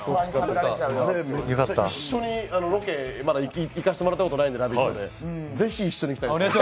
一緒にロケ、まだ「ラヴィット！」で行かせてもらったことないのでぜひ一緒に行きたいです。